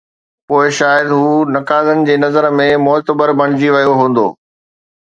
پوءِ شايد هو نقادن جي نظر ۾ معتبر بڻجي ويو هوندو.